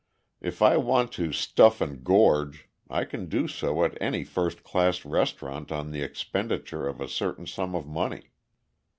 If I want to "stuff and gorge" I can do so at any first class restaurant on the expenditure of a certain sum of money.